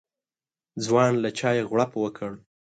ځوان له چايه غوړپ وکړ.